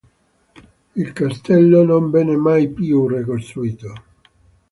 Il castello non venne mai più ricostruito.